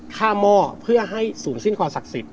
ข้ามหม้อเพื่อให้สูงสิ้นความศักดิ์สิทธิ์